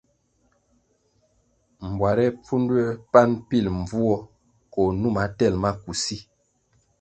Mbware pfunduē pan pil mbvuo koh numa tel maku si.